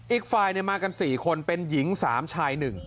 อีกฝ่ายมากัน๔คนเป็นหญิง๓ชาย๑